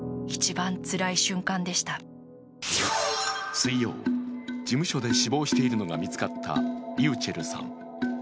水曜、事務所で死亡しているのが見つかったｒｙｕｃｈｅｌｌさん。